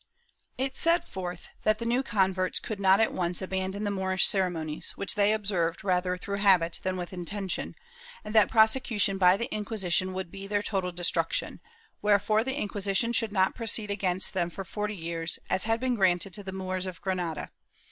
It set forth that the new converts could not at once abandon the Moorish ceremonies, which they observed rather through habit than with intention, and that prosecution by the Inquisition would be their total destruction, wherefore the Inquisition should not proceed against them for forty years, as had been granted to the Moors of Granada.